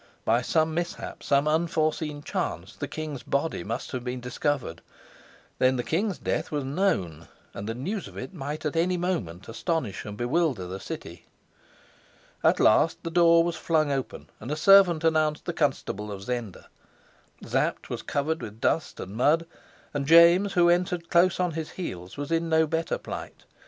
By some mishap, some unforeseen chance, the king's body must have been discovered. Then the king's death was known, and the news of it might any moment astonish and bewilder the city. At last the door was flung open, and a servant announced the Constable of Zenda. Sapt was covered with dust and mud, and James, who entered close on his heels, was in no better plight.